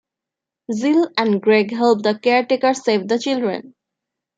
Jill and Gregg help the caretakers save the children.